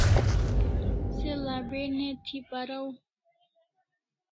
Se l'abe' ne thi paraw